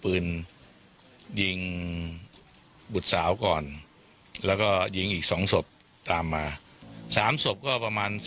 ปืนยิงบุตรสาวก่อนแล้วก็ยิงอีก๒ศพตามมา๓ศพก็ประมาณ